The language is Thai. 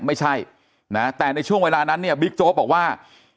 ไม่ใช่นะแต่ในช่วงเวลานั้นเนี่ยบิ๊กโจ๊กบอกว่า